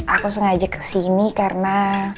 aku sengaja kesini karena